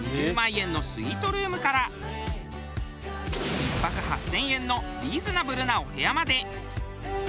２０万円のスイートルームから１泊８０００円のリーズナブルなお部屋まで。